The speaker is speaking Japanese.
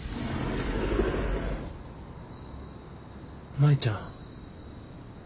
舞ちゃん。